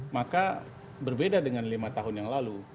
maka berbeda dengan lima tahun yang lalu